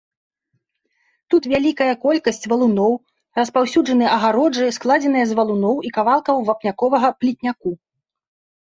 Тут вялікая колькасць валуноў, распаўсюджаны агароджы, складзеныя з валуноў і кавалкаў вапняковага плітняку.